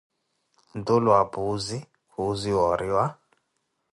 Ntuulu wa Puuzi, khuuziwa oriwa.